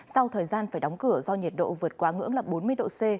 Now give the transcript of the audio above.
sau thời gian phải đóng cửa do nhiệt độ vượt quá ngưỡng là bốn mươi độ c